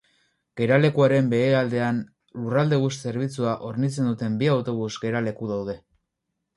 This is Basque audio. Geralekuaren behealdean Lurraldebus zerbitzua hornitzen duten bi autobus geraleku daude.